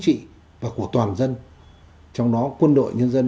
tiến hành bạo loạn thể diện